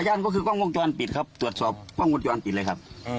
นั่นก็คือกล้องวงจรปิดครับตรวจสอบกล้องวงจรปิดเลยครับ